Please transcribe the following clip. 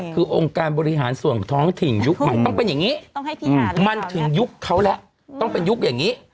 คือองค์การบริหารส่วนท้องถิ่นยุคใหม่ต้องเป็นอย่างนี้มันถึงยุคเขาแล้วต้องเป็นยุคอย่างนี้